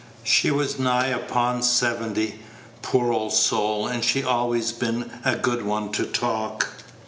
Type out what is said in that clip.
She was nigh upon seventy, poor old soul, and she'd always been a good one to talk.